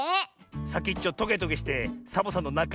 さきっちょトゲトゲしてサボさんのなかまみたいだしさあ。